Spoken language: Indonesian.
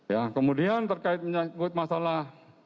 ya kemudian terkait menyangkut masalah